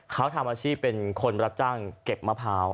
เขาทำอาชีพเป็นคนรับจ้างเก็บมะพร้าว